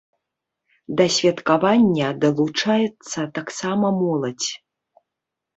Да святкавання далучаецца таксама моладзь.